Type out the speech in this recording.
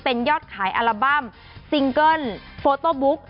เป็นยอดขายอัลบั้มซิงเกิ้ลโฟโต้บุ๊ก